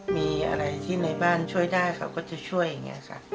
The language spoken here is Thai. มีอะไรที่ในบ้านช่วยได้เขาก็จะช่วยอย่างนี้ค่ะ